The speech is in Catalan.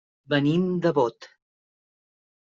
Venim de Bot.